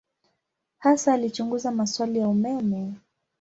Hasa alichunguza maswali ya umeme.